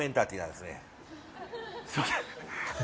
すいません。